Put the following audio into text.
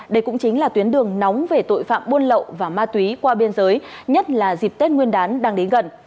đây cũng chính là tuyến đường nóng về tội phạm buôn lậu và ma túy qua biên giới nhất là dịp tết nguyên đán đang đến gần